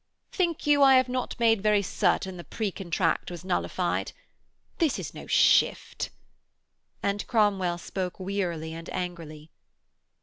'Think you I have not made very certain the pre contract was nullified? This is no shift,' and Cromwell spoke wearily and angrily.